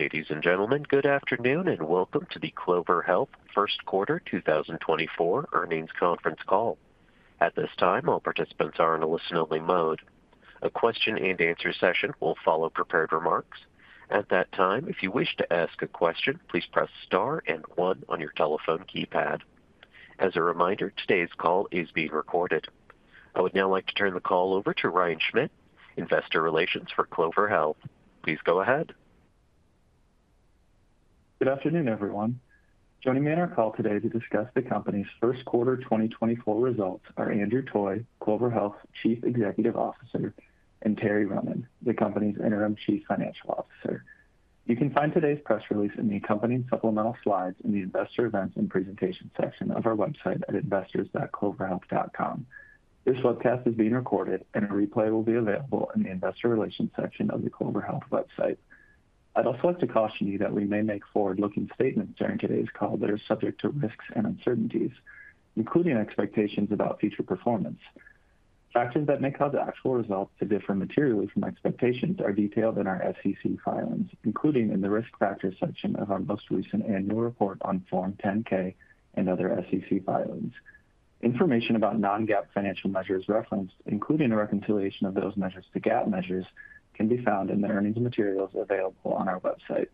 Ladies and gentlemen, good afternoon, and welcome to the Clover Health First Quarter 2024 Earnings Conference Call. At this time, all participants are in a listen-only mode. A question-and-answer session will follow prepared remarks. At that time, if you wish to ask a question, please press * and one on your telephone keypad. As a reminder, today's call is being recorded. I would now like to turn the call over to Ryan Schmidt, Investor Relations for Clover Health. Please go ahead. Good afternoon, everyone. Joining me on our call today to discuss the company's first quarter 2024 results are Andrew Toy, Clover Health's Chief Executive Officer, and Terrence Ronan, the company's Interim Chief Financial Officer. You can find today's press release in the accompanying supplemental slides in the Investor Events and Presentation section of our website at investors.cloverhealth.com. This webcast is being recorded, and a replay will be available in the Investor Relations section of the Clover Health website. I'd also like to caution you that we may make forward-looking statements during today's call that are subject to risks and uncertainties, including expectations about future performance. Factors that may cause actual results to differ materially from expectations are detailed in our SEC filings, including in the Risk Factors section of our most recent annual report on Form 10-K and other SEC filings. Information about non-GAAP financial measures referenced, including a reconciliation of those measures to GAAP measures, can be found in the earnings materials available on our website.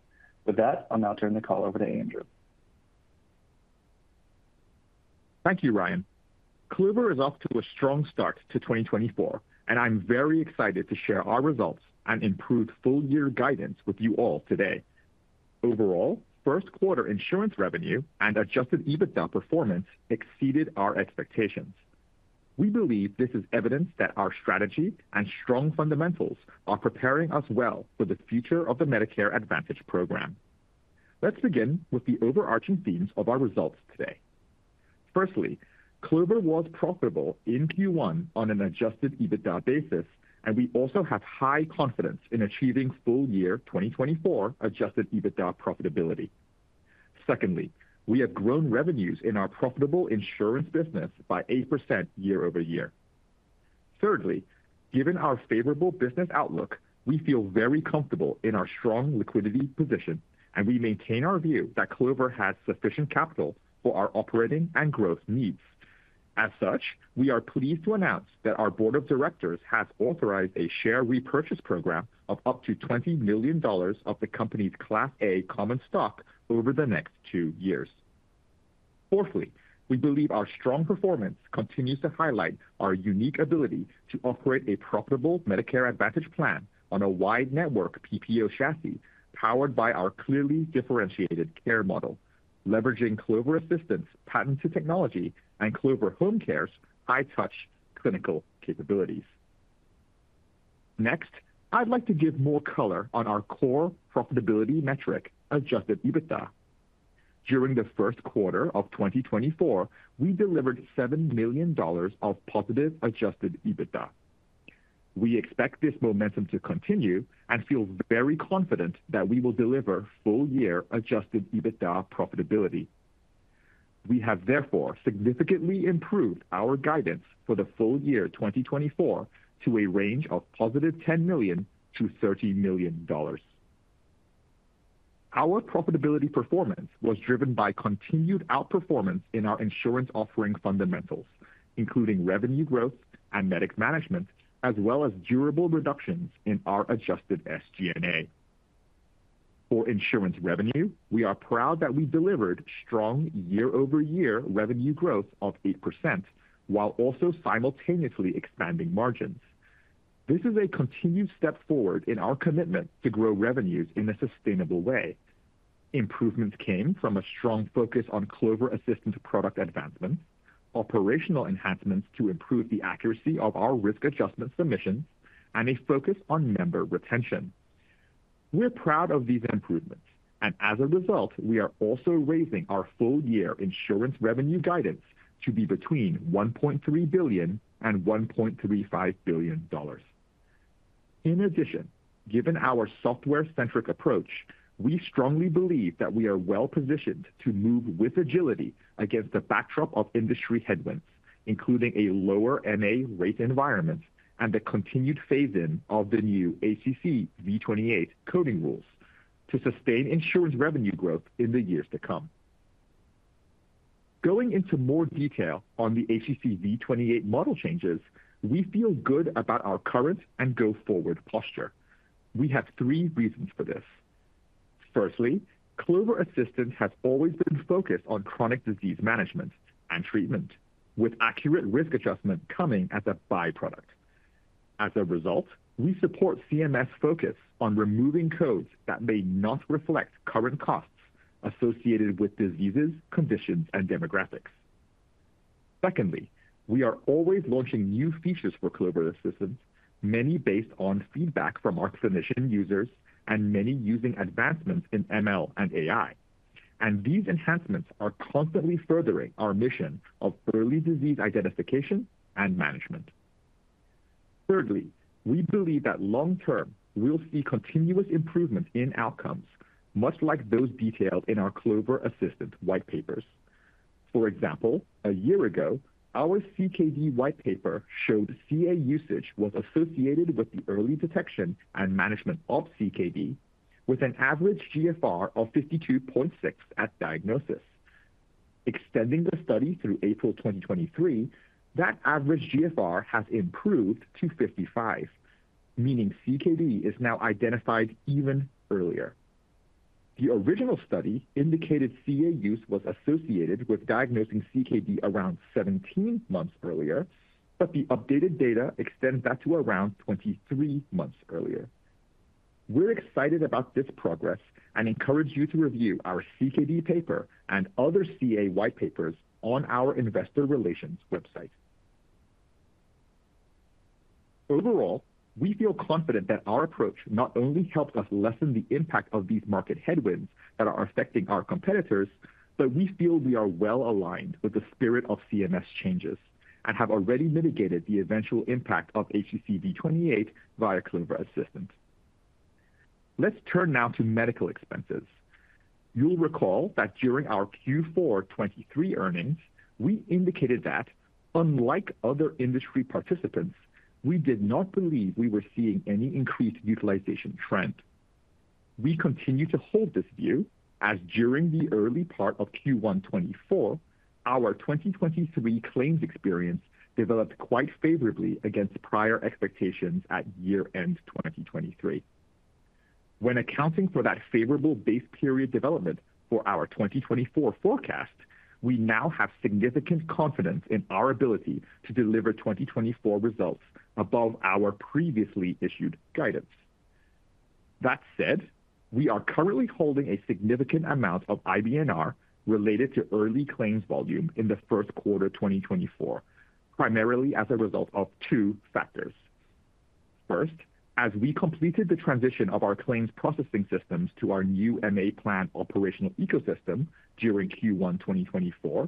With that, I'll now turn the call over to Andrew. Thank you, Ryan. Clover is off to a strong start to 2024, and I'm very excited to share our results and improve full year guidance with you all today. Overall, first quarter insurance revenue and adjusted EBITDA performance exceeded our expectations. We believe this is evidence that our strategy and strong fundamentals are preparing us well for the future of the Medicare Advantage program. Let's begin with the overarching themes of our results today. Firstly, Clover was profitable in Q1 on an adjusted EBITDA basis, and we also have high confidence in achieving full year 2024 adjusted EBITDA profitability. Secondly, we have grown revenues in our profitable insurance business by 8% year-over-year. Thirdly, given our favorable business outlook, we feel very comfortable in our strong liquidity position, and we maintain our view that Clover has sufficient capital for our operating and growth needs. As such, we are pleased to announce that our board of directors has authorized a share repurchase program of up to $20 million of the company's Class A common stock over the next 2 years. Fourthly, we believe our strong performance continues to highlight our unique ability to operate a profitable Medicare Advantage plan on a wide network PPO chassis, powered by our clearly differentiated care model, leveraging Clover Assistant's patented technology and Clover Home Care's high-touch clinical capabilities. Next, I'd like to give more color on our core profitability metric, adjusted EBITDA. During the first quarter of 2024, we delivered $7 million of positive adjusted EBITDA. We expect this momentum to continue and feel very confident that we will deliver full-year adjusted EBITDA profitability. We have therefore significantly improved our guidance for the full year 2024 to a range of $10 million-$13 million. Our profitability performance was driven by continued outperformance in our insurance offering fundamentals, including revenue growth and Medicare management, as well as durable reductions in our adjusted SG&A. For insurance revenue, we are proud that we delivered strong year-over-year revenue growth of 8%, while also simultaneously expanding margins. This is a continued step forward in our commitment to grow revenues in a sustainable way. Improvements came from a strong focus on Clover Assistant product advancements, operational enhancements to improve the accuracy of our risk adjustment submissions, and a focus on member retention. We're proud of these improvements, and as a result, we are also raising our full-year insurance revenue guidance to be between $1.3 billion-$1.35 billion. In addition, given our software-centric approach, we strongly believe that we are well positioned to move with agility against the backdrop of industry headwinds, including a lower MA rate environment and the continued phase-in of the new HCC V28 coding rules to sustain insurance revenue growth in the years to come. Going into more detail on the HCC V28 model changes, we feel good about our current and go-forward posture. We have three reasons for this. Firstly, Clover Assistant has always been focused on chronic disease management and treatment, with accurate risk adjustment coming as a by-product. As a result, we support CMS' focus on removing codes that may not reflect current costs associated with diseases, conditions, and demographics. Secondly, we are always launching new features for Clover Assistant, many based on feedback from our clinician users and many using advancements in ML and AI, and these enhancements are constantly furthering our mission of early disease identification and management. Thirdly, we believe that long term, we'll see continuous improvements in outcomes, much like those detailed in our Clover Assistant white papers. For example, a year ago, our CKD white paper showed CA usage was associated with the early detection and management of CKD, with an average GFR of 52.6 at diagnosis. Extending the study through April 2023, that average GFR has improved to 55, meaning CKD is now identified even earlier. The original study indicated CA use was associated with diagnosing CKD around 17 months earlier, but the updated data extends that to around 23 months earlier. We're excited about this progress and encourage you to review our CKD paper and other CA white papers on our investor relations website. Overall, we feel confident that our approach not only helped us lessen the impact of these market headwinds that are affecting our competitors, but we feel we are well aligned with the spirit of CMS changes, and have already mitigated the eventual impact of HCC V28 via Clover Assistant. Let's turn now to medical expenses. You'll recall that during our Q4 2023 earnings, we indicated that unlike other industry participants, we did not believe we were seeing any increased utilization trend. We continue to hold this view, as during the early part of Q1 2024, our 2023 claims experience developed quite favorably against prior expectations at year-end 2023. When accounting for that favorable base period development for our 2024 forecast, we now have significant confidence in our ability to deliver 2024 results above our previously issued guidance. That said, we are currently holding a significant amount of IBNR related to early claims volume in the first quarter 2024, primarily as a result of two factors. First, as we completed the transition of our claims processing systems to our new MA plan operational ecosystem during Q1 2024,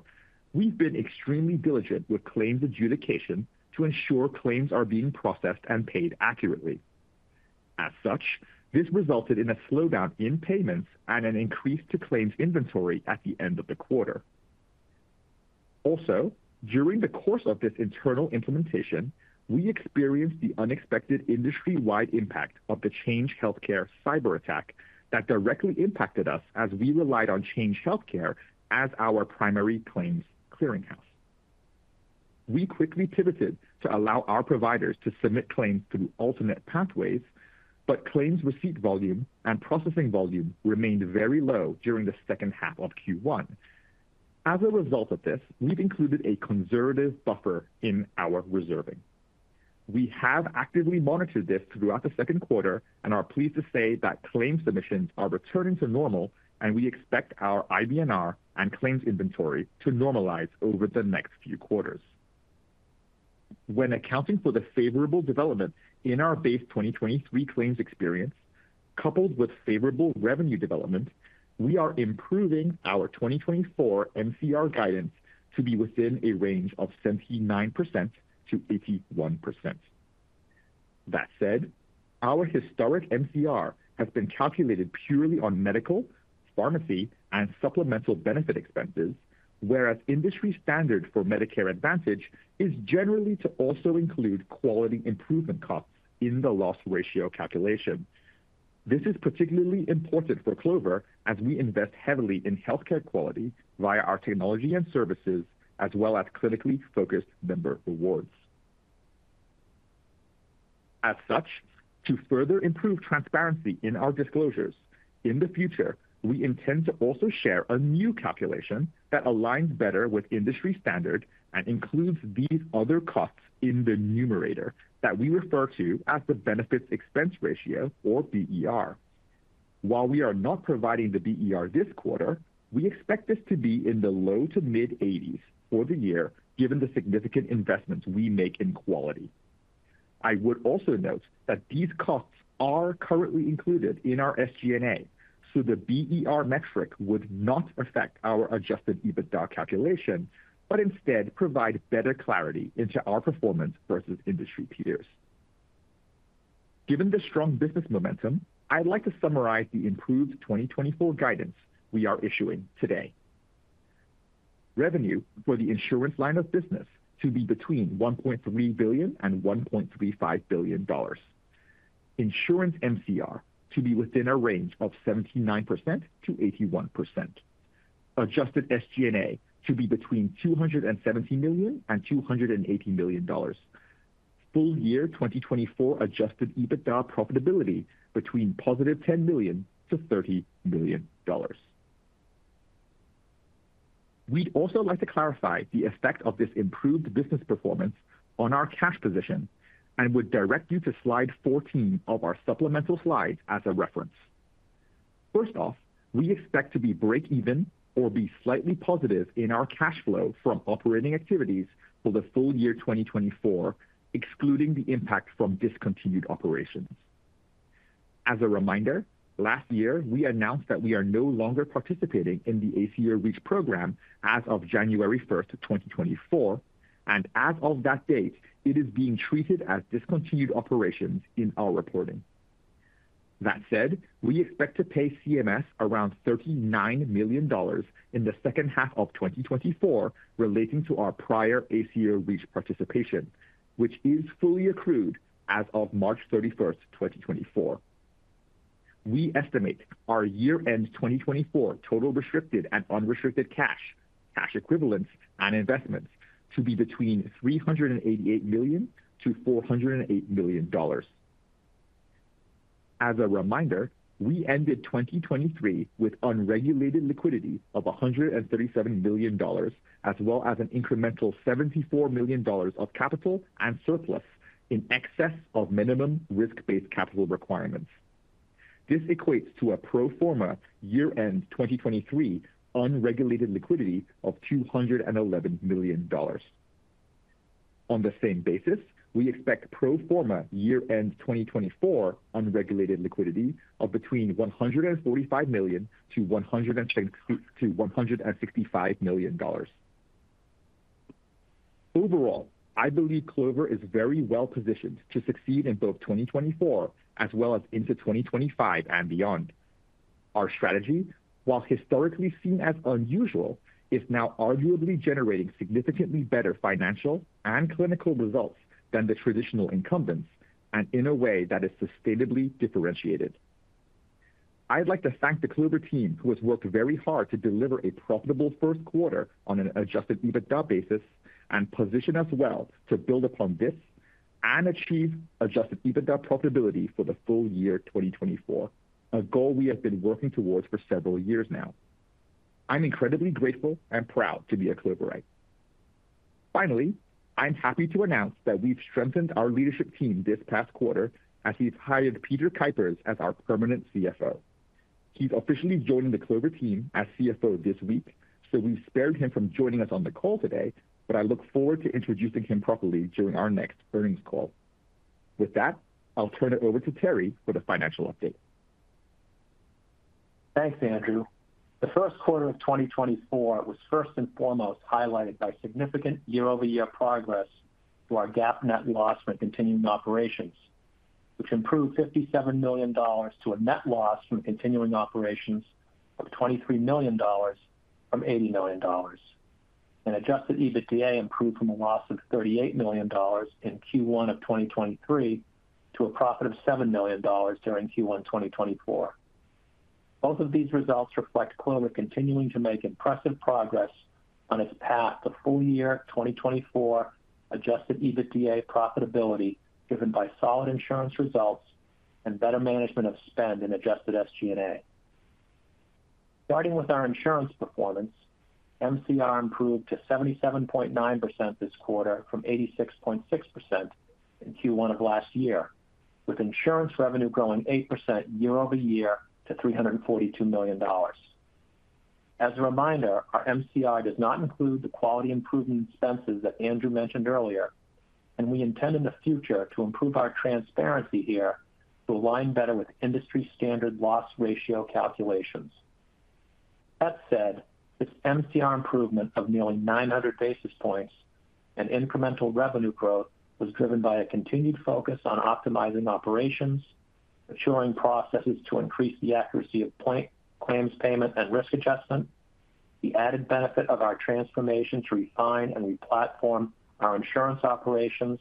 we've been extremely diligent with claims adjudication to ensure claims are being processed and paid accurately. As such, this resulted in a slowdown in payments and an increase to claims inventory at the end of the quarter. Also, during the course of this internal implementation, we experienced the unexpected industry-wide impact of the Change Healthcare cyberattack that directly impacted us as we relied on Change Healthcare as our primary claims clearinghouse. We quickly pivoted to allow our providers to submit claims through alternate pathways, but claims receipt volume and processing volume remained very low during the second half of Q1. As a result of this, we've included a conservative buffer in our reserving. We have actively monitored this throughout the second quarter and are pleased to say that claims submissions are returning to normal, and we expect our IBNR and claims inventory to normalize over the next few quarters. When accounting for the favorable development in our base 2023 claims experience, coupled with favorable revenue development, we are improving our 2024 MCR guidance to be within a range of 79%-81%. That said, our historic MCR has been calculated purely on medical, pharmacy, and supplemental benefit expenses, whereas industry standard for Medicare Advantage is generally to also include quality improvement costs in the loss ratio calculation. This is particularly important for Clover as we invest heavily in healthcare quality via our technology and services, as well as clinically focused member rewards. As such, to further improve transparency in our disclosures, in the future, we intend to also share a new calculation that aligns better with industry standard and includes these other costs in the numerator, that we refer to as the benefit expense ratio or BER. While we are not providing the BER this quarter, we expect this to be in the low to mid-80s for the year, given the significant investments we make in quality. I would also note that these costs are currently included in our SG&A, so the BER metric would not affect our adjusted EBITDA calculation, but instead provide better clarity into our performance versus industry peers. Given the strong business momentum, I'd like to summarize the improved 2024 guidance we are issuing today. Revenue for the insurance line of business to be between $1.3 billion and $1.35 billion. Insurance MCR to be within a range of 79%-81%. Adjusted SG&A to be between $270 million and $280 million. Full year 2024 adjusted EBITDA profitability between +$10 million to $30 million. We'd also like to clarify the effect of this improved business performance on our cash position, and would direct you to slide 14 of our supplemental slides as a reference. First off, we expect to be break even or be slightly positive in our cash flow from operating activities for the full year 2024, excluding the impact from discontinued operations. As a reminder, last year, we announced that we are no longer participating in the ACO REACH program as of January 1, 2024, and as of that date, it is being treated as discontinued operations in our reporting. That said, we expect to pay CMS around $39 million in the second half of 2024 relating to our prior ACO REACH participation, which is fully accrued as of March 31, 2024. We estimate our year-end 2024 total restricted and unrestricted cash, cash equivalents, and investments to be between $388 million and $408 million. As a reminder, we ended 2023 with unregulated liquidity of $137 million, as well as an incremental $74 million of capital and surplus in excess of minimum risk-based capital requirements. This equates to a pro forma year-end 2023 unregulated liquidity of $211 million. On the same basis, we expect pro forma year-end 2024 unregulated liquidity of between $145 million-$165 million. Overall, I believe Clover is very well positioned to succeed in both 2024 as well as into 2025 and beyond. Our strategy, while historically seen as unusual, is now arguably generating significantly better financial and clinical results than the traditional incumbents, and in a way that is sustainably differentiated. I'd like to thank the Clover team, who has worked very hard to deliver a profitable first quarter on an Adjusted EBITDA basis and position us well to build upon this and achieve Adjusted EBITDA profitability for the full year 2024, a goal we have been working towards for several years now. I'm incredibly grateful and proud to be a Cloverite. Finally, I'm happy to announce that we've strengthened our leadership team this past quarter as we've hired Peter Kuipers as our permanent CFO. He's officially joining the Clover team as CFO this week, so we've spared him from joining us on the call today, but I look forward to introducing him properly during our next earnings call. With that, I'll turn it over to Terry for the financial update. Thanks, Andrew. The first quarter of 2024 was first and foremost highlighted by significant year-over-year progress to our GAAP net loss from continuing operations, which improved $57 million to a net loss from continuing operations of $23 million from $80 million. And adjusted EBITDA improved from a loss of $38 million in Q1 of 2023 to a profit of $7 million during Q1 2024. Both of these results reflect Clover continuing to make impressive progress on its path to full year 2024 adjusted EBITDA profitability, driven by solid insurance results and better management of spend in adjusted SG&A. Starting with our insurance performance, MCR improved to 77.9% this quarter from 86.6% in Q1 of last year, with insurance revenue growing 8% year over year to $342 million. As a reminder, our MCR does not include the quality improvement expenses that Andrew mentioned earlier, and we intend in the future to improve our transparency here to align better with industry-standard loss ratio calculations. That said, this MCR improvement of nearly 900 basis points and incremental revenue growth was driven by a continued focus on optimizing operations, maturing processes to increase the accuracy of point-claims payment, and risk adjustment, the added benefit of our transformation to refine and replatform our insurance operations,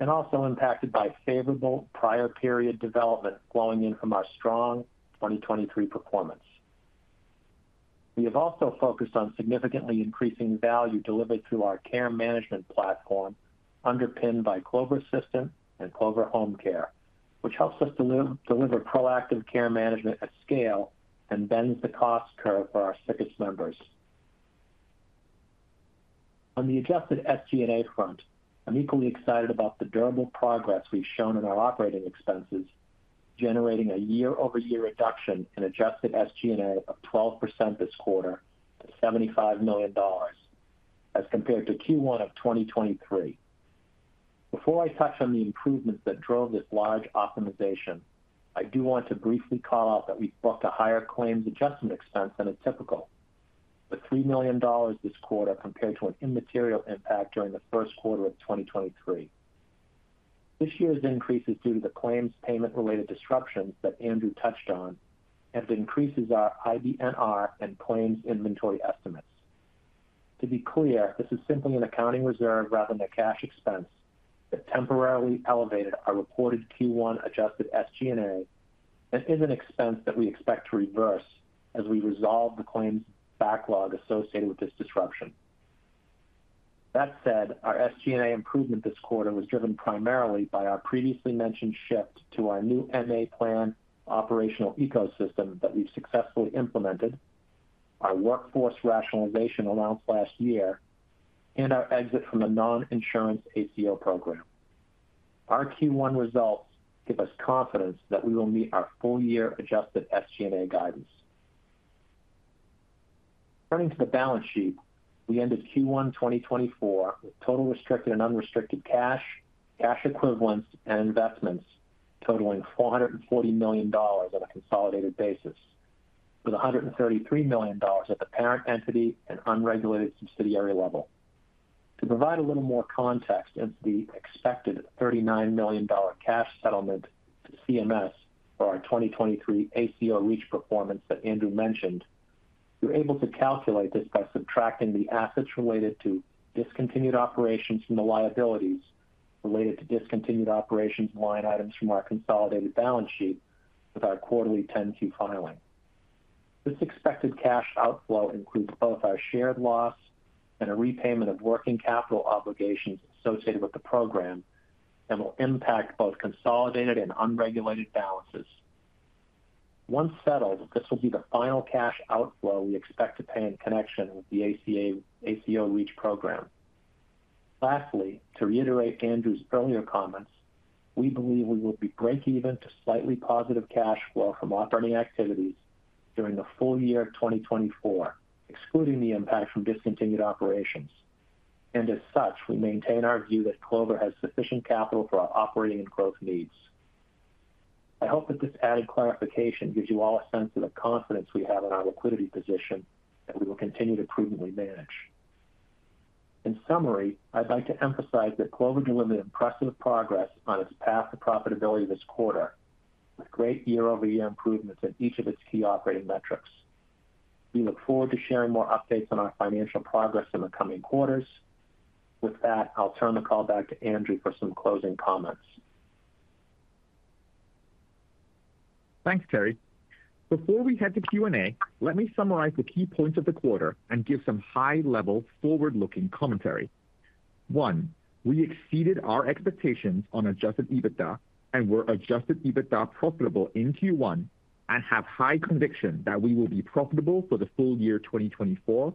and also impacted by favorable prior period development flowing in from our strong 2023 performance. We have also focused on significantly increasing value delivered through our care management platform, underpinned by Clover Assistant and Clover Home Care, which helps us deliver proactive care management at scale and bends the cost curve for our sickest members. On the Adjusted SG&A front, I'm equally excited about the durable progress we've shown in our operating expenses, generating a year-over-year reduction in Adjusted SG&A of 12% this quarter to $75 million as compared to Q1 of 2023. Before I touch on the improvements that drove this large optimization, I do want to briefly call out that we booked a higher claims adjustment expense than is typical, but $3 million this quarter compared to an immaterial impact during the first quarter of 2023. This year's increase is due to the claims payment-related disruptions that Andrew touched on and increases our IBNR and claims inventory estimates. To be clear, this is simply an accounting reserve rather than a cash expense that temporarily elevated our reported Q1 adjusted SG&A and is an expense that we expect to reverse as we resolve the claims backlog associated with this disruption. That said, our SG&A improvement this quarter was driven primarily by our previously mentioned shift to our new MA plan operational ecosystem that we've successfully implemented, our workforce rationalization announced last year, and our exit from the non-insurance ACO program. Our Q1 results give us confidence that we will meet our full-year adjusted SG&A guidance. Turning to the balance sheet, we ended Q1 2024 with total restricted and unrestricted cash, cash equivalents, and investments totaling $440 million on a consolidated basis, with $133 million at the parent entity and unregulated subsidiary level.... To provide a little more context as the expected $39 million cash settlement to CMS for our 2023 ACO REACH performance that Andrew mentioned, you're able to calculate this by subtracting the assets related to discontinued operations from the liabilities related to discontinued operations line items from our consolidated balance sheet with our quarterly 10-Q filing. This expected cash outflow includes both our shared loss and a repayment of working capital obligations associated with the program, and will impact both consolidated and unregulated balances. Once settled, this will be the final cash outflow we expect to pay in connection with the ACO REACH program. Lastly, to reiterate Andrew's earlier comments, we believe we will be breakeven to slightly positive cash flow from operating activities during the full year of 2024, excluding the impact from discontinued operations. As such, we maintain our view that Clover has sufficient capital for our operating and growth needs. I hope that this added clarification gives you all a sense of the confidence we have in our liquidity position, that we will continue to prudently manage. In summary, I'd like to emphasize that Clover delivered impressive progress on its path to profitability this quarter, with great year-over-year improvements in each of its key operating metrics. We look forward to sharing more updates on our financial progress in the coming quarters. With that, I'll turn the call back to Andrew for some closing comments. Thanks, Terry. Before we head to Q&A, let me summarize the key points of the quarter and give some high-level, forward-looking commentary. One, we exceeded our expectations on Adjusted EBITDA, and were Adjusted EBITDA profitable in Q1, and have high conviction that we will be profitable for the full year 2024,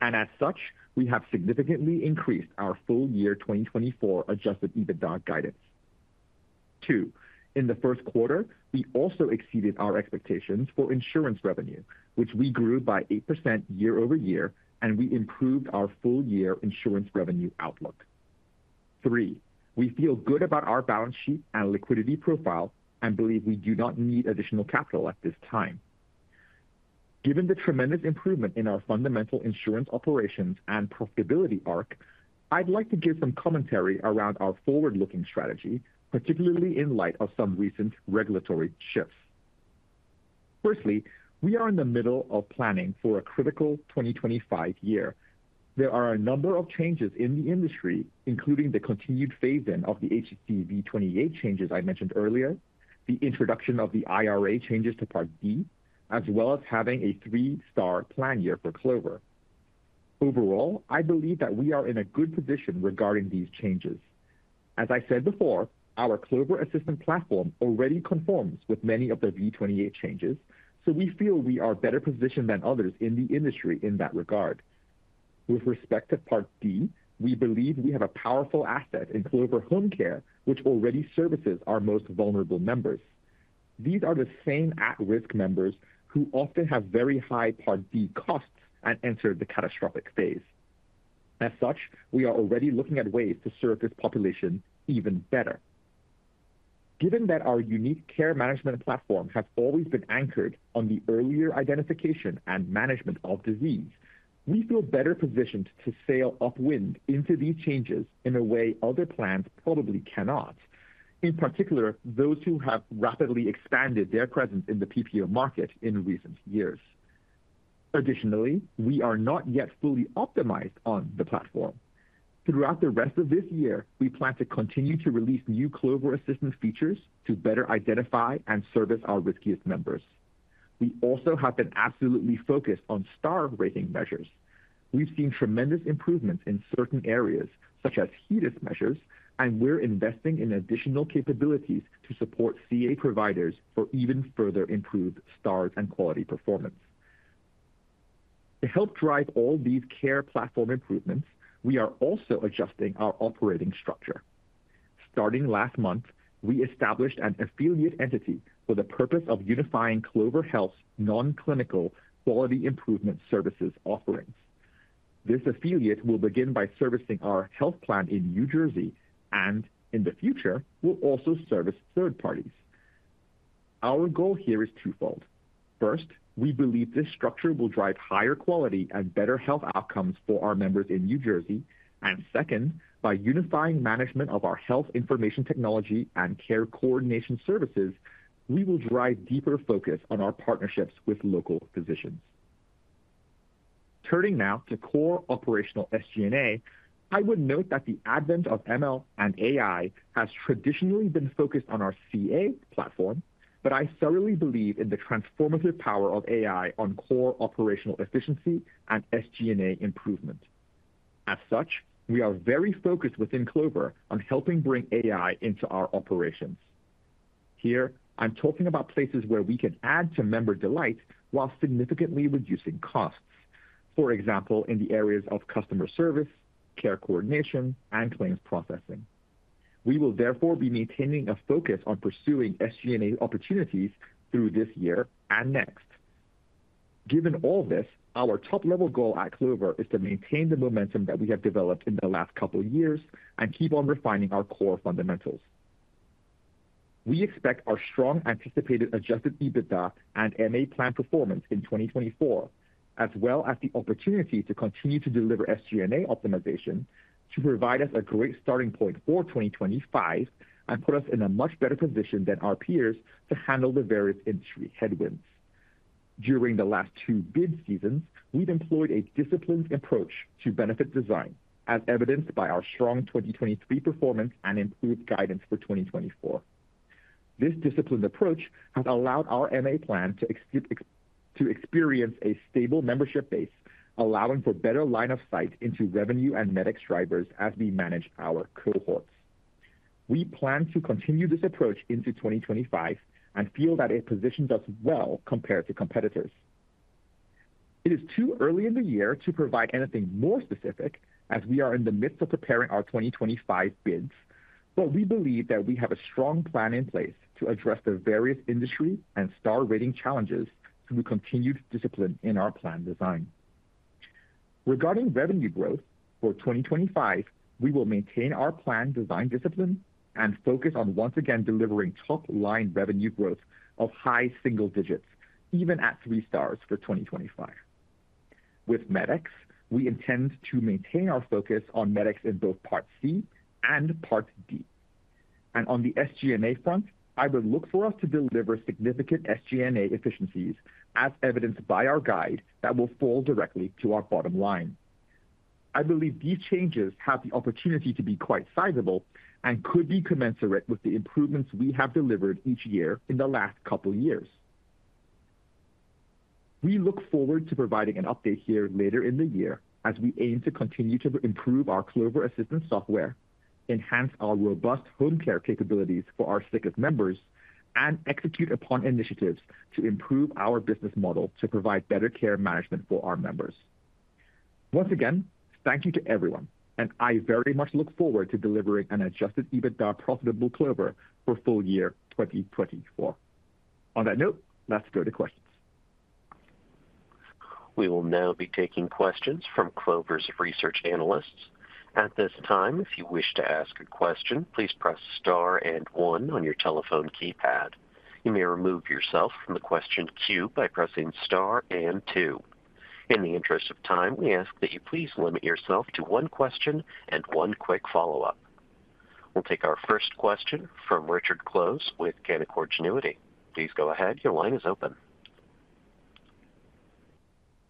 and as such, we have significantly increased our full year 2024 Adjusted EBITDA guidance. Two, in the first quarter, we also exceeded our expectations for insurance revenue, which we grew by 8% year-over-year, and we improved our full year insurance revenue outlook. Three, we feel good about our balance sheet and liquidity profile, and believe we do not need additional capital at this time. Given the tremendous improvement in our fundamental insurance operations and profitability arc, I'd like to give some commentary around our forward-looking strategy, particularly in light of some recent regulatory shifts. Firstly, we are in the middle of planning for a critical 2025 year. There are a number of changes in the industry, including the continued phase-in of the HCC V28 changes I mentioned earlier, the introduction of the IRA changes to Part D, as well as having a 3-star plan year for Clover. Overall, I believe that we are in a good position regarding these changes. As I said before, our Clover Assistant platform already conforms with many of the V28 changes, so we feel we are better positioned than others in the industry in that regard. With respect to Part D, we believe we have a powerful asset in Clover Home Care, which already services our most vulnerable members. These are the same at-risk members who often have very high Part D costs and enter the catastrophic phase. As such, we are already looking at ways to serve this population even better. Given that our unique care management platform has always been anchored on the earlier identification and management of disease, we feel better positioned to sail upwind into these changes in a way other plans probably cannot. In particular, those who have rapidly expanded their presence in the PPO market in recent years. Additionally, we are not yet fully optimized on the platform. Throughout the rest of this year, we plan to continue to release new Clover Assistant features to better identify and service our riskiest members. We also have been absolutely focused on Star Rating measures. We've seen tremendous improvements in certain areas, such as HEDIS measures, and we're investing in additional capabilities to support CA providers for even further improved stars and quality performance. To help drive all these care platform improvements, we are also adjusting our operating structure. Starting last month, we established an affiliate entity for the purpose of unifying Clover Health's non-clinical quality improvement services offerings. This affiliate will begin by servicing our health plan in New Jersey, and in the future, will also service third parties. Our goal here is twofold. First, we believe this structure will drive higher quality and better health outcomes for our members in New Jersey. And second, by unifying management of our health information technology and care coordination services, we will drive deeper focus on our partnerships with local physicians. Turning now to core operational SG&A, I would note that the advent of ML and AI has traditionally been focused on our CA platform, but I thoroughly believe in the transformative power of AI on core operational efficiency and SG&A improvement. As such, we are very focused within Clover on helping bring AI into our operations. Here, I'm talking about places where we can add to member delight while significantly reducing costs. For example, in the areas of customer service, care coordination, and claims processing. We will therefore be maintaining a focus on pursuing SG&A opportunities through this year and next. Given all this, our top-level goal at Clover is to maintain the momentum that we have developed in the last couple of years and keep on refining our core fundamentals. We expect our strong anticipated Adjusted EBITDA and MA plan performance in 2024, as well as the opportunity to continue to deliver SG&A optimization, to provide us a great starting point for 2025 and put us in a much better position than our peers to handle the various industry headwinds. During the last two bid seasons, we've employed a disciplined approach to benefit design, as evidenced by our strong 2023 performance and improved guidance for 2024. This disciplined approach has allowed our MA plan to experience a stable membership base, allowing for better line of sight into revenue and medical drivers as we manage our cohorts. We plan to continue this approach into 2025 and feel that it positions us well compared to competitors. It is too early in the year to provide anything more specific, as we are in the midst of preparing our 2025 bids, but we believe that we have a strong plan in place to address the various industry and Star Rating challenges through continued discipline in our plan design. Regarding revenue growth, for 2025, we will maintain our plan design discipline and focus on once again delivering top-line revenue growth of high single digits, even at 3 stars for 2025. With Medicare, we intend to maintain our focus on Medicare in both Part C and Part D. On the SG&A front, I would look for us to deliver significant SG&A efficiencies, as evidenced by our guide, that will fall directly to our bottom line. I believe these changes have the opportunity to be quite sizable and could be commensurate with the improvements we have delivered each year in the last couple years. We look forward to providing an update here later in the year as we aim to continue to improve our Clover Assistant software, enhance our robust home care capabilities for our sickest members, and execute upon initiatives to improve our business model to provide better care management for our members. Once again, thank you to everyone, and I very much look forward to delivering an Adjusted EBITDA profitable Clover for full year 2024. On that note, let's go to questions. We will now be taking questions from Clover's research analysts. At this time, if you wish to ask a question, please press * and one on your telephone keypad. You may remove yourself from the question queue by pressing * and two. In the interest of time, we ask that you please limit yourself to one question and one quick follow-up. We'll take our first question from Richard Close with Canaccord Genuity. Please go ahead. Your line is open.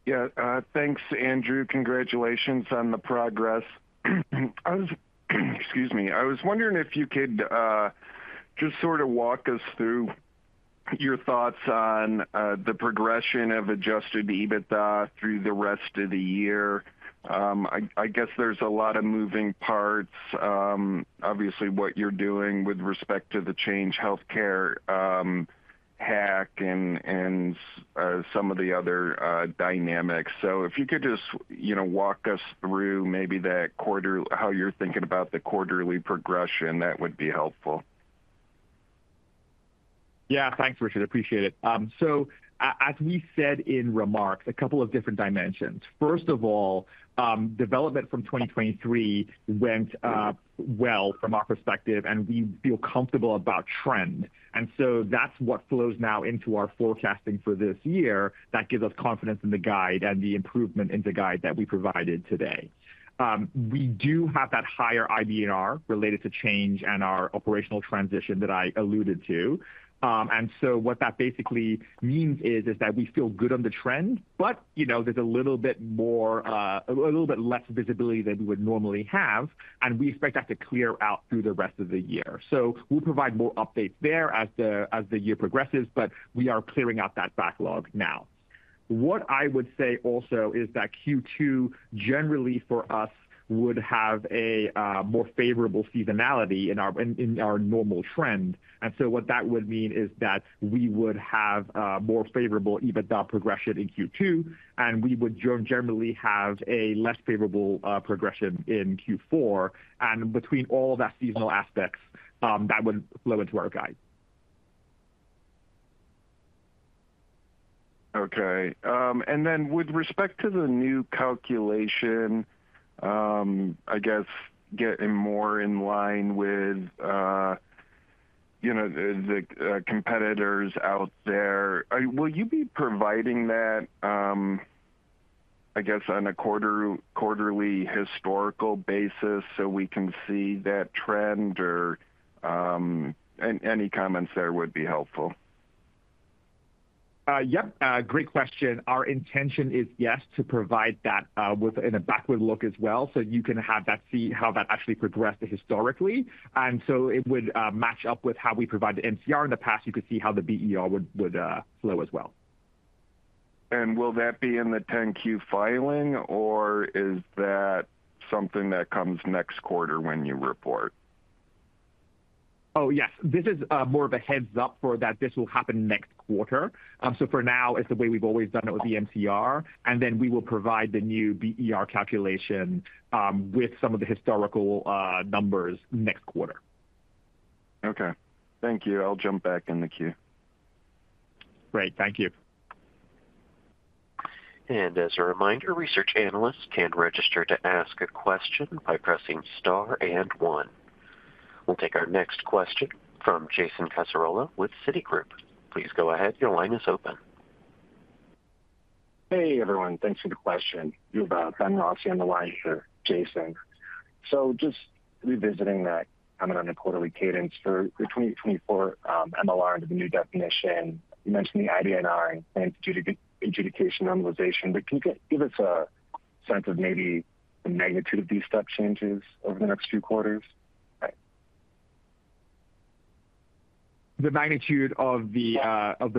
Yeah, thanks, Andrew. Congratulations on the progress. I was, excuse me. I was wondering if you could just sort of walk us through your thoughts on the progression of Adjusted EBITDA through the rest of the year. I guess there's a lot of moving parts, obviously, what you're doing with respect to the Change Healthcare, hack and some of the other dynamics. So if you could just, you know, walk us through maybe that quarter, how you're thinking about the quarterly progression, that would be helpful. Yeah. Thanks, Richard. Appreciate it. So as we said in remarks, a couple of different dimensions. First of all, development from 2023 went well from our perspective, and we feel comfortable about trend, and so that's what flows now into our forecasting for this year. That gives us confidence in the guide and the improvement in the guide that we provided today. We do have that higher IBNR related to Change and our operational transition that I alluded to. And so what that basically means is that we feel good on the trend, but you know, there's a little bit more, a little bit less visibility than we would normally have, and we expect that to clear out through the rest of the year. So we'll provide more updates there as the year progresses, but we are clearing out that backlog now. What I would say also is that Q2 generally for us would have a more favorable seasonality in our normal trend. And so what that would mean is that we would have more favorable EBITDA progression in Q2, and we would generally have a less favorable progression in Q4. And between all that seasonal aspects, that would flow into our guide. Okay, and then with respect to the new calculation, I guess getting more in line with, you know, the competitors out there, will you be providing that, I guess, on a quarterly historical basis so we can see that trend? Or, any comments there would be helpful. Yep, great question. Our intention is, yes, to provide that with, in a backward look as well, so you can have that, see how that actually progressed historically. And so it would match up with how we provide the MCR. In the past, you could see how the BER would flow as well. Will that be in the 10-Q filing, or is that something that comes next quarter when you report? Oh, yes. This is more of a heads-up for that this will happen next quarter. So for now, it's the way we've always done it with the MCR, and then we will provide the new BER calculation with some of the historical numbers next quarter. Okay. Thank you. I'll jump back in the queue. Great. Thank you.... As a reminder, research analysts can register to ask a question by pressing * and one. We'll take our next question from Jason Cassorla with Citigroup. Please go ahead. Your line is open. Hey, everyone. Thanks for the question. You're welcome. Ben Rossi on the line here, Jason. So just revisiting that comment on the quarterly cadence for the 2024 MLR under the new definition, you mentioned the IBNR and due to adjudication normalization, but can you give us a sense of maybe the magnitude of these step changes over the next few quarters? The magnitude of the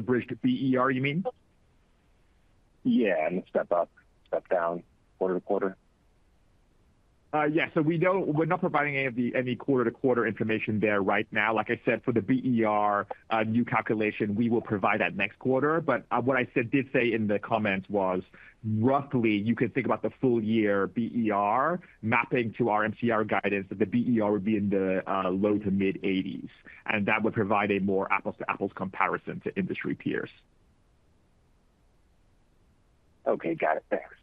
bridged BER, you mean? Yeah, and the step up, step down, quarter to quarter. Yeah. So we don't-- we're not providing any of the, any quarter-to-quarter information there right now. Like I said, for the BER, new calculation, we will provide that next quarter. But, what I said, did say in the comments was roughly you could think about the full year BER mapping to our MCR guidance, that the BER would be in the low-to-mid 80s, and that would provide a more apples-to-apples comparison to industry peers. Okay, got it. Thanks.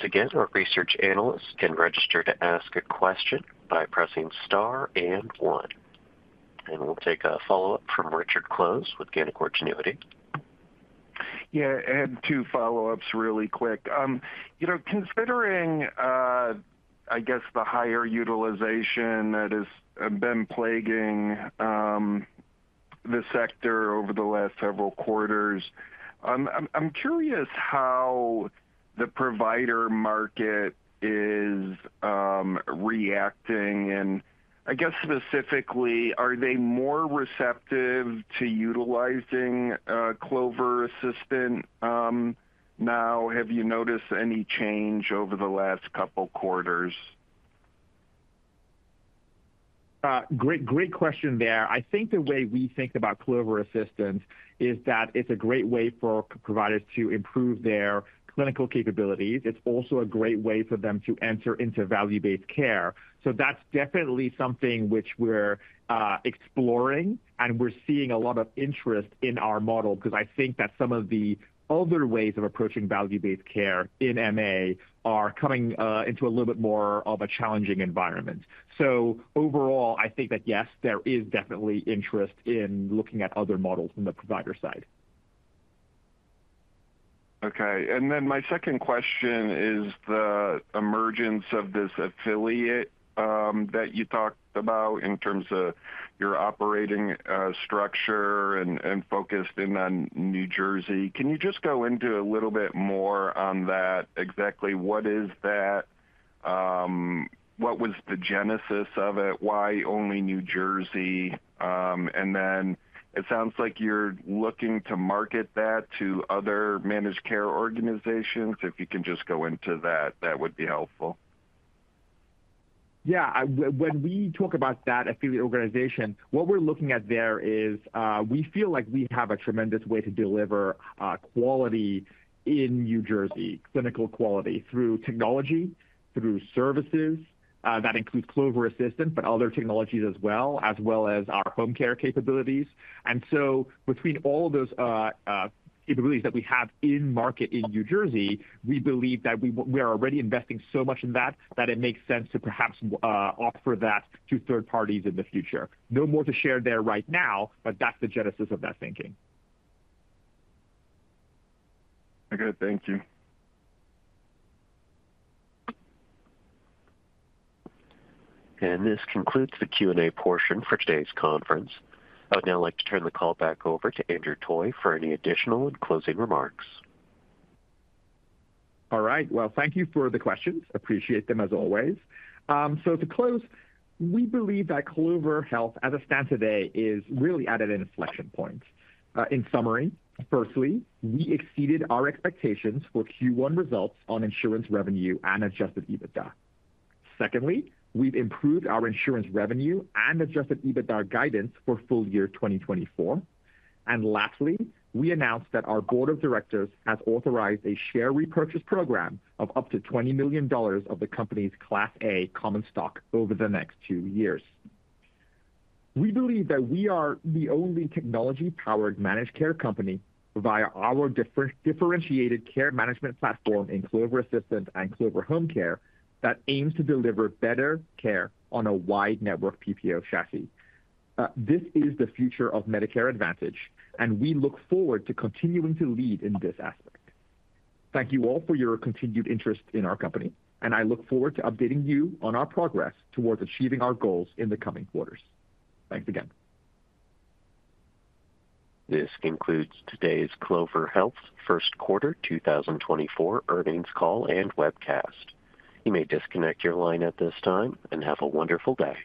Once again, our research analysts can register to ask a question by pressing * and one. We'll take a follow-up from Richard Close with Canaccord Genuity. Yeah, I had two follow-ups really quick. You know, considering, I guess, the higher utilization that has been plaguing the sector over the last several quarters, I'm curious how the provider market is reacting, and I guess specifically, are they more receptive to utilizing Clover Assistant now? Have you noticed any change over the last couple quarters? Great, great question there. I think the way we think about Clover Assistant is that it's a great way for providers to improve their clinical capabilities. It's also a great way for them to enter into value-based care. So that's definitely something which we're exploring, and we're seeing a lot of interest in our model, because I think that some of the other ways of approaching value-based care in MA are coming into a little bit more of a challenging environment. So overall, I think that yes, there is definitely interest in looking at other models from the provider side. Okay, and then my second question is the emergence of this affiliate that you talked about in terms of your operating structure and focused in on New Jersey. Can you just go into a little bit more on that? Exactly what is that? What was the genesis of it? Why only New Jersey? And then it sounds like you're looking to market that to other managed care organizations. If you can just go into that, that would be helpful. Yeah, when we talk about that affiliate organization, what we're looking at there is, we feel like we have a tremendous way to deliver, quality in New Jersey, clinical quality, through technology, through services, that includes Clover Assistant, but other technologies as well, as well as our home care capabilities. And so between all those, capabilities that we have in market in New Jersey, we believe that we are already investing so much in that, that it makes sense to perhaps, offer that to third parties in the future. No more to share there right now, but that's the genesis of that thinking. Okay. Thank you. This concludes the Q&A portion for today's conference. I would now like to turn the call back over to Andrew Toy for any additional and closing remarks. All right. Well, thank you for the questions. Appreciate them as always. So to close, we believe that Clover Health, as it stands today, is really at an inflection point. In summary, firstly, we exceeded our expectations for Q1 results on insurance revenue and Adjusted EBITDA. Secondly, we've improved our insurance revenue and Adjusted EBITDA guidance for full year 2024. And lastly, we announced that our board of directors has authorized a share repurchase program of up to $20 million of the company's Class A common stock over the next two years. We believe that we are the only technology-powered managed care company, via our differentiated care management platform in Clover Assistant and Clover Home Care, that aims to deliver better care on a wide network PPO chassis. This is the future of Medicare Advantage, and we look forward to continuing to lead in this aspect. Thank you all for your continued interest in our company, and I look forward to updating you on our progress towards achieving our goals in the coming quarters. Thanks again. This concludes today's Clover Health first quarter 2024 earnings call and webcast. You may disconnect your line at this time and have a wonderful day.